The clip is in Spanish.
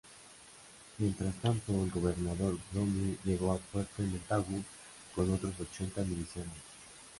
Mientras tanto, el gobernador Browne llegó al Fuerte Montagu con otros ochenta milicianos.